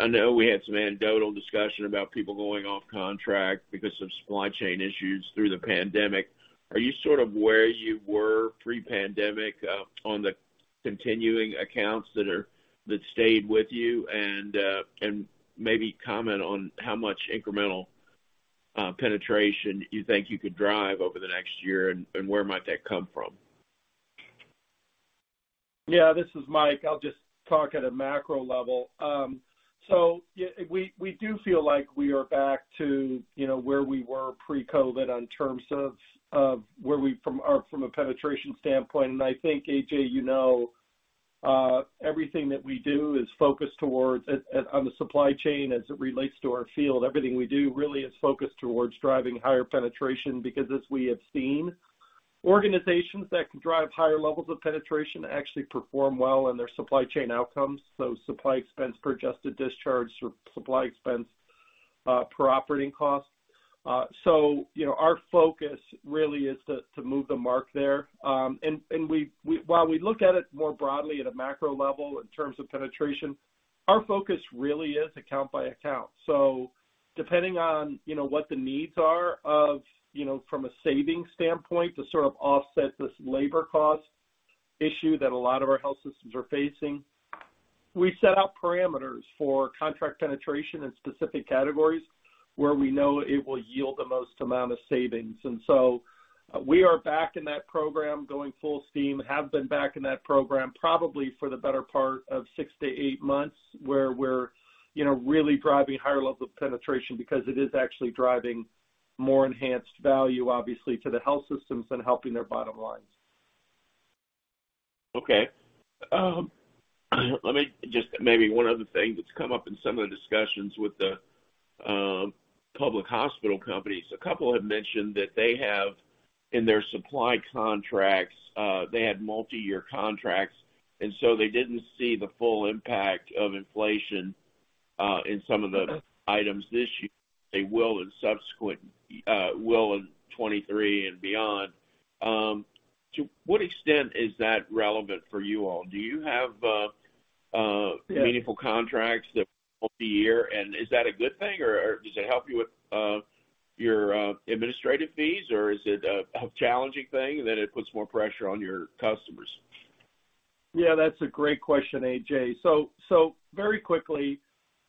I know we had some anecdotal discussion about people going off contract because of supply chain issues through the pandemic. Are you sort of where you were pre-pandemic on the continuing accounts that stayed with you and maybe comment on how much incremental penetration you think you could drive over the next year and where might that come from? Yeah, this is Mike. I'll just talk at a macro level. We do feel like we are back to, you know, where we were pre-COVID in terms of from a penetration standpoint. I think, A.J., you know, everything that we do is focused on the supply chain as it relates to our field. Everything we do really is focused towards driving higher penetration because as we have seen, organizations that can drive higher levels of penetration actually perform well in their supply chain outcomes, so supply expense per adjusted discharge or supply expense per operating costs. You know, our focus really is to move the mark there. While we look at it more broadly at a macro level in terms of penetration, our focus really is account by account. Depending on, you know, what the needs are of, you know, from a saving standpoint to sort of offset this labor cost issue that a lot of our health systems are facing, we set out parameters for contract penetration in specific categories where we know it will yield the most amount of savings. We are back in that program going full steam, have been back in that program probably for the better part of 6-8 months, where we're, you know, really driving higher levels of penetration because it is actually driving more enhanced value, obviously, to the health systems and helping their bottom lines. Okay. Let me just maybe one other thing that's come up in some of the discussions with the public hospital companies. A couple have mentioned that they have in their supply contracts they had multi-year contracts, and so they didn't see the full impact of inflation in some of the items this year. They will in 2023 and beyond. To what extent is that relevant for you all? Do you have meaningful contracts that multi-year, and is that a good thing or does it help you with your administrative fees, or is it a challenging thing that it puts more pressure on your customers? Yeah, that's a great question, A.J. Very quickly,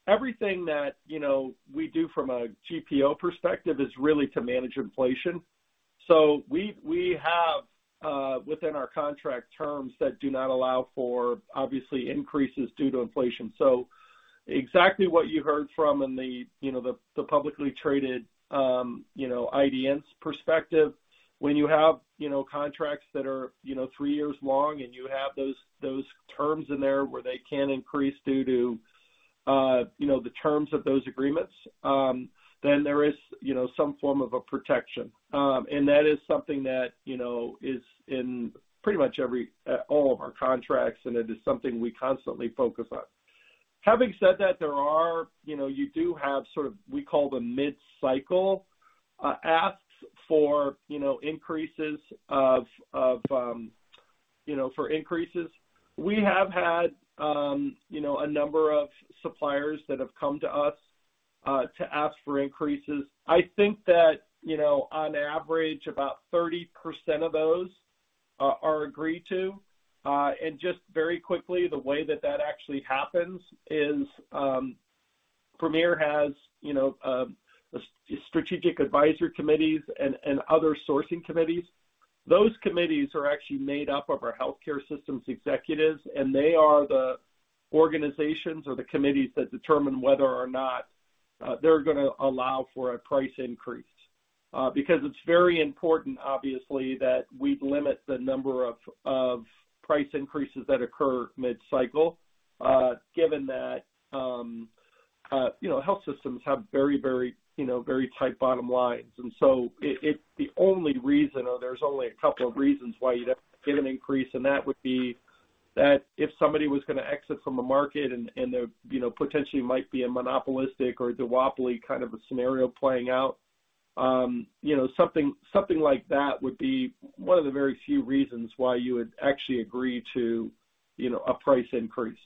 everything that, you know, we do from a GPO perspective is really to manage inflation. We have within our contract terms that do not allow for obvious increases due to inflation. Exactly what you heard from the publicly traded IDNs perspective. When you have, you know, contracts that are, you know, three years long and you have those terms in there where they can increase due to, you know, the terms of those agreements, then there is, you know, some form of a protection. That is something that, you know, is in pretty much all of our contracts, and it is something we constantly focus on. Having said that, there are, you know, you do have sort of, we call them mid-cycle asks for increases. We have had, you know, a number of suppliers that have come to us to ask for increases. I think that, you know, on average, about 30% of those are agreed to. Just very quickly, the way that actually happens is, Premier has, you know, strategic advisor committees and other sourcing committees. Those committees are actually made up of our healthcare systems executives, and they are the organizations or the committees that determine whether or not they're gonna allow for a price increase. Because it's very important, obviously, that we limit the number of price increases that occur mid-cycle, given that, you know, health systems have very tight bottom lines. It's the only reason, or there's only a couple of reasons why you'd have to give an increase, and that would be that if somebody was gonna exit from a market and there, you know, potentially might be a monopolistic or a duopoly kind of a scenario playing out. You know, something like that would be one of the very few reasons why you would actually agree to, you know, a price increase.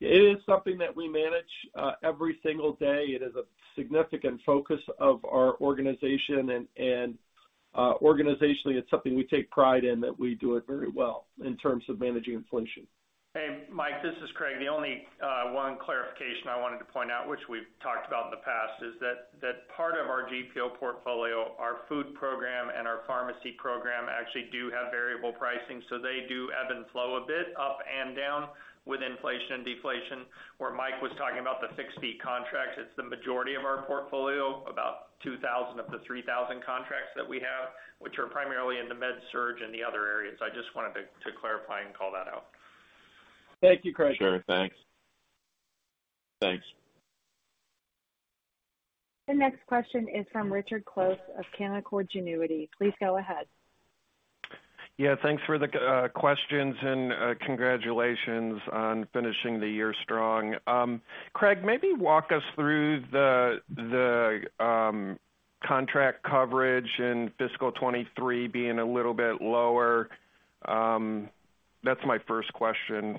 It is something that we manage every single day. It is a significant focus of our organization and organizationally, it's something we take pride in that we do it very well in terms of managing inflation. Hey, Mike, this is Craig. The only one clarification I wanted to point out, which we've talked about in the past, is that part of our GPO portfolio, our food program and our pharmacy program actually do have variable pricing, so they do ebb and flow a bit up and down with inflation, deflation. Where Mike was talking about the fixed fee contracts, it's the majority of our portfolio, about 2,000 of the 3,000 contracts that we have, which are primarily in the med surg and the other areas. I just wanted to clarify and call that out. Thank you, Craig. Sure. Thanks. The next question is from Richard Close of Canaccord Genuity. Please go ahead. Yeah. Thanks for the questions and congratulations on finishing the year strong. Craig, maybe walk us through the contract coverage in fiscal 2023 being a little bit lower. That's my first question.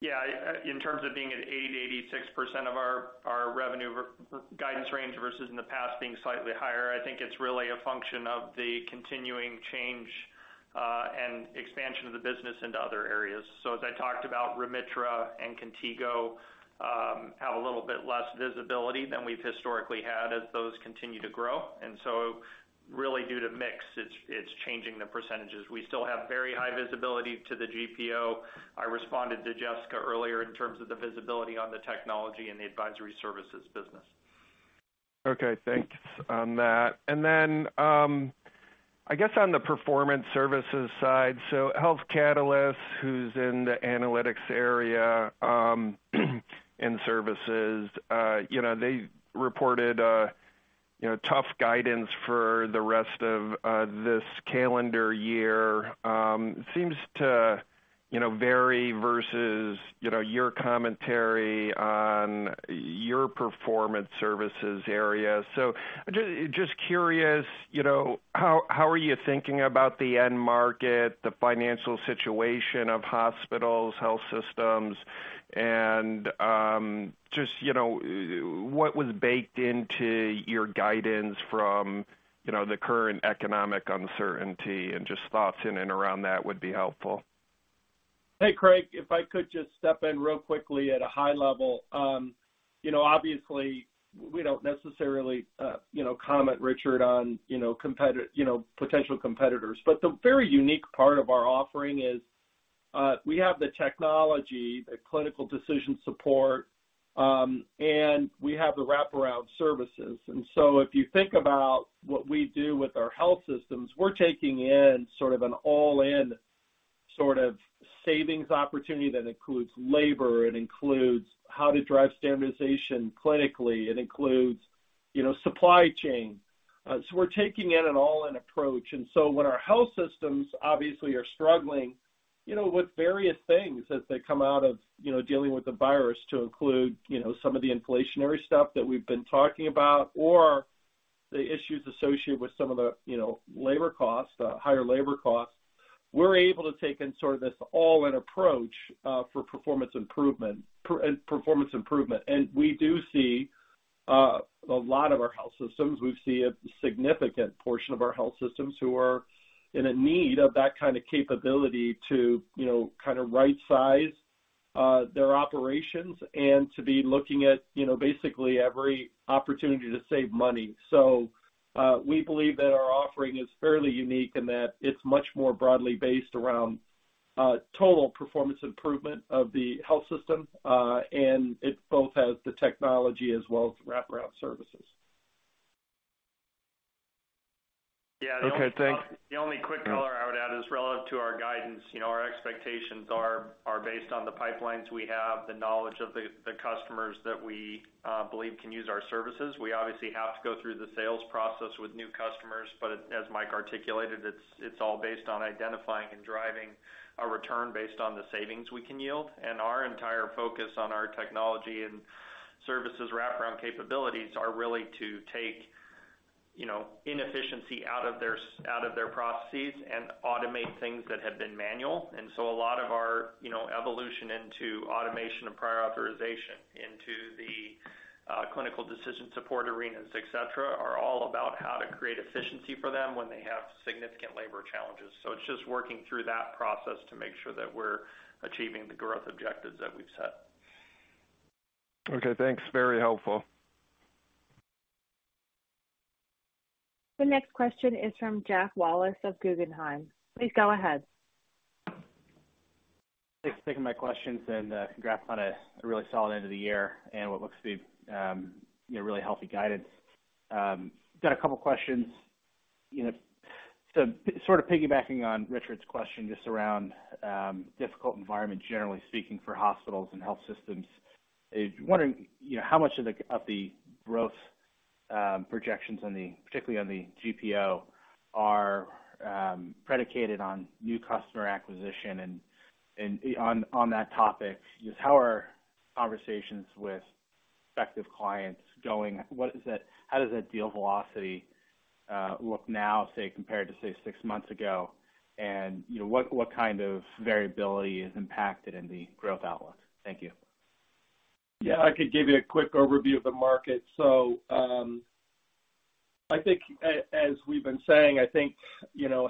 Yeah. In terms of being at 80%-86% of our revenue guidance range versus in the past being slightly higher, I think it's really a function of the continuing change and expansion of the business into other areas. As I talked about, Remitra and Contigo have a little bit less visibility than we've historically had as those continue to grow. Really due to mix, it's changing the percentages. We still have very high visibility to the GPO. I responded to Jessica earlier in terms of the visibility on the technology and the advisory services business. Okay. Thanks on that. I guess on the performance services side, so Health Catalyst, who's in the analytics area, and services, you know, they reported, you know, tough guidance for the rest of, this calendar year. Seems to, you know, vary versus, you know, your commentary on your performance services area. Just curious, you know, how are you thinking about the end market, the financial situation of hospitals, health systems, and, just, you know, what was baked into your guidance from, you know, the current economic uncertainty, and just thoughts in and around that would be helpful. Hey, Craig, if I could just step in real quickly at a high level. You know, obviously, we don't necessarily, you know, comment, Richard, on, you know, potential competitors. But the very unique part of our offering is, we have the technology, the clinical decision support, and we have the wraparound services. If you think about what we do with our health systems, we're taking in sort of an all-in sort of savings opportunity that includes labor, it includes how to drive standardization clinically, it includes, you know, supply chain. We're taking in an all-in approach. When our health systems obviously are struggling, you know, with various things as they come out of, you know, dealing with the virus to include, you know, some of the inflationary stuff that we've been talking about or the issues associated with some of the, you know, labor costs, higher labor costs, we're able to take in sort of this all-in approach for performance improvement. We do see a lot of our health systems, we see a significant portion of our health systems who are in a need of that kind of capability to, you know, kind of right-size their operations and to be looking at, you know, basically every opportunity to save money. We believe that our offering is fairly unique and that it's much more broadly based around total performance improvement of the health system, and it both has the technology as well as wraparound services. Yeah. Okay. Thanks. The only quick color I would add is relevant to our guidance. You know, our expectations are based on the pipelines we have, the knowledge of the customers that we believe can use our services. We obviously have to go through the sales process with new customers, but as Mike articulated, it's all based on identifying and driving a return based on the savings we can yield. Our entire focus on our technology and services wraparound capabilities are really to take, you know, inefficiency out of their processes and automate things that have been manual. A lot of our, you know, evolution into automation and prior authorization into the clinical decision support arenas, et cetera, are all about how to create efficiency for them when they have significant labor challenges. It's just working through that process to make sure that we're achieving the growth objectives that we've set. Okay, thanks. Very helpful. The next question is from Jack Wallace of Guggenheim. Please go ahead. Thanks for taking my questions, and congrats on a really solid end of the year and what looks to be, you know, really healthy guidance. Got a couple questions. You know, sort of piggybacking on Richard's question, just around difficult environment, generally speaking, for hospitals and health systems. Is wondering, you know, how much of the growth projections on the, particularly on the GPO are predicated on new customer acquisition? And on that topic, just how are conversations with respective clients going? How does that deal velocity look now, say, compared to six months ago? And you know, what kind of variability is impacted in the growth outlook? Thank you. Yeah, I could give you a quick overview of the market. I think as we've been saying, I think, you know,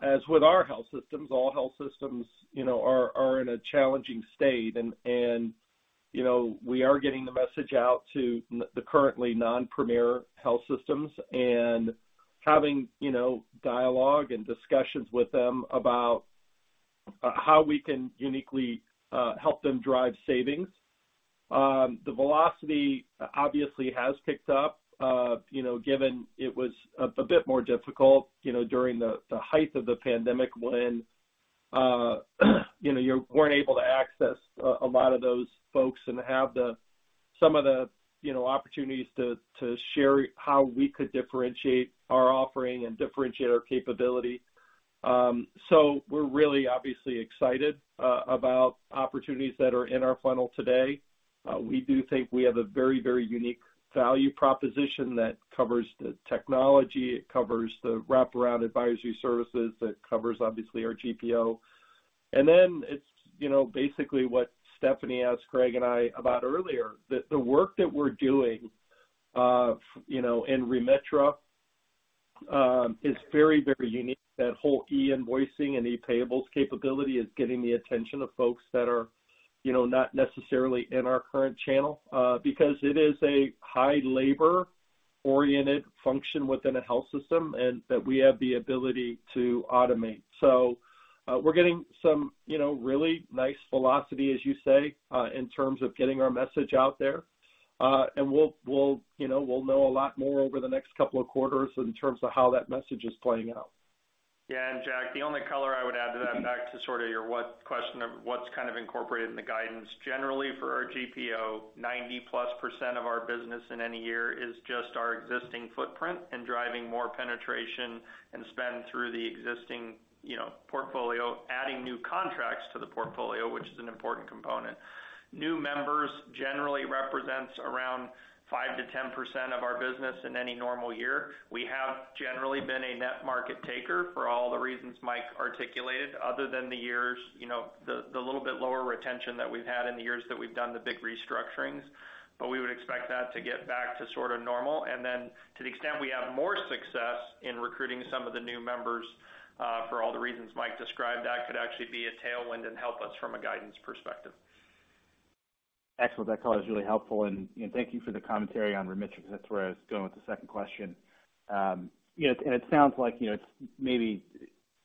as with our health systems, all health systems, you know, are in a challenging state. You know, we are getting the message out to the currently non-Premier health systems and having, you know, dialogue and discussions with them about how we can uniquely help them drive savings. The velocity obviously has picked up, you know, given it was a bit more difficult, you know, during the height of the pandemic when, you know, you weren't able to access a lot of those folks and have some of the, you know, opportunities to share how we could differentiate our offering and differentiate our capability. We're really obviously excited about opportunities that are in our funnel today. We do think we have a very, very unique value proposition that covers the technology, it covers the wraparound advisory services, that covers obviously our GPO. It's, you know, basically what Stephanie asked Greg and I about earlier. The work that we're doing, you know, in Remitra, is very, very unique. That whole e-invoicing and ePayables capability is getting the attention of folks that are, you know, not necessarily in our current channel, because it is a high labor-oriented function within a health system and that we have the ability to automate. We're getting some, you know, really nice velocity, as you say, in terms of getting our message out there. We'll know a lot more over the next couple of quarters in terms of how that message is playing out. Yeah. Jack, the only color I would add to that, back to sort of your what question of what's kind of incorporated in the guidance. Generally, for our GPO, 90%+ of our business in any year is just our existing footprint and driving more penetration and spend through the existing, you know, portfolio, adding new contracts to the portfolio, which is an important component. New members generally represents around 5%-10% of our business in any normal year. We have generally been a net market taker for all the reasons Mike articulated, other than the years, you know, the little bit lower retention that we've had in the years that we've done the big restructurings. We would expect that to get back to sort of normal. To the extent we have more success in recruiting some of the new members, for all the reasons Mike described, that could actually be a tailwind and help us from a guidance perspective. Excellent. That color is really helpful. You know, thank you for the commentary on Remitra, 'cause that's where I was going with the second question. You know, it sounds like, you know, it's maybe,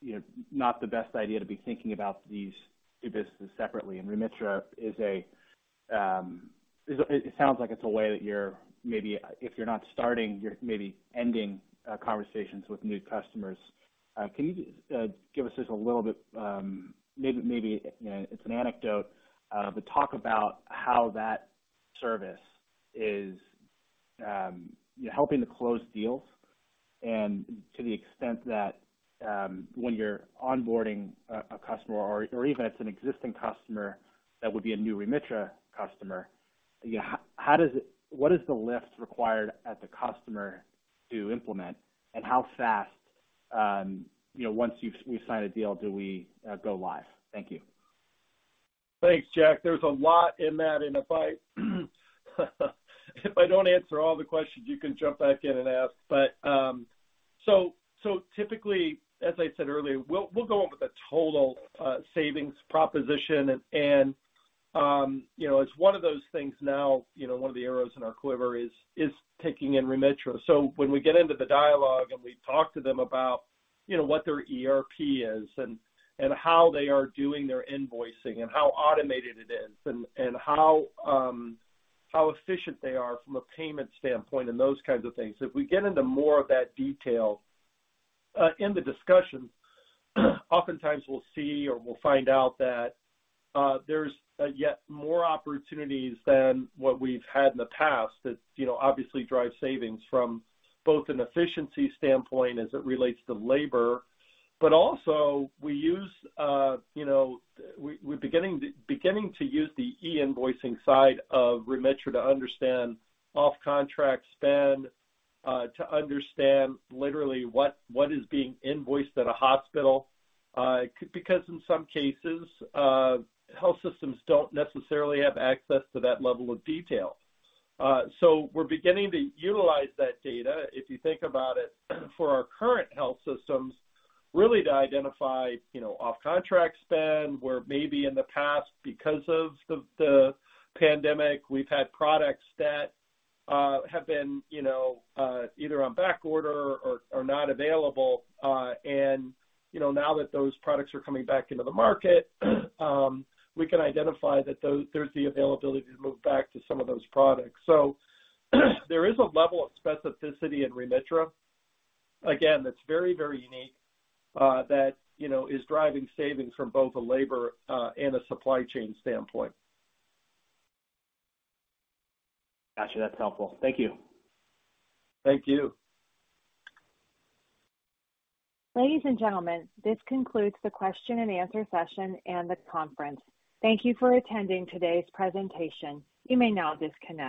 you know, not the best idea to be thinking about these two businesses separately. Remitra is a way that you're, maybe, if you're not starting, you're maybe ending, conversations with new customers. Can you just give us just a little bit, maybe you know it's an anecdote but talk about how that service is you know helping to close deals, and to the extent that when you're onboarding a customer or even it's an existing customer that would be a new Remitra customer, you know what is the lift required at the customer to implement. How fast you know once we've signed a deal do we go live? Thank you. Thanks, Jack. There's a lot in that. If I don't answer all the questions, you can jump back in and ask. Typically, as I said earlier, we'll go over the total savings proposition. You know, it's one of those things now, you know, one of the arrows in our quiver is taking in Remitra. When we get into the dialogue and we talk to them about, you know, what their ERP is and how they are doing their invoicing and how automated it is and how efficient they are from a payment standpoint and those kinds of things. If we get into more of that detail in the discussion, oftentimes we'll see or we'll find out that there's yet more opportunities than what we've had in the past that, you know, obviously drive savings from both an efficiency standpoint as it relates to labor. Also, we use, you know, we're beginning to use the e-invoicing side of Remitra to understand off-contract spend to understand literally what is being invoiced at a hospital because in some cases health systems don't necessarily have access to that level of detail. We're beginning to utilize that data, if you think about it, for our current health systems, really to identify, you know, off-contract spend, where maybe in the past, because of the pandemic, we've had products that have been, you know, either on backorder or not available. You know, now that those products are coming back into the market, we can identify that there's the availability to move back to some of those products. There is a level of specificity in Remitra, again, that's very, very unique, that, you know, is driving savings from both a labor and a supply chain standpoint. Got you. That's helpful. Thank you. Thank you. Ladies and gentlemen, this concludes the question and answer session and the conference. Thank you for attending today's presentation. You may now disconnect.